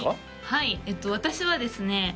はい私はですね